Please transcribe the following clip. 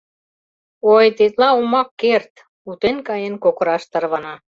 — Ой, тетла омак керт... — утен каен кокыраш тарвана.